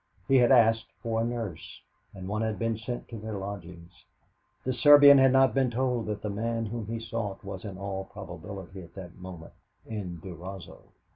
He had asked for a nurse, and one had been sent to their lodgings. The Serbian had not been told that the man whom he sought was in all probability at that moment in Durazzo.